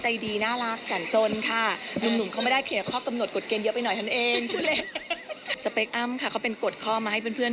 ห้ามขนาดฝันก็ห้ามฝันที่คนอื่น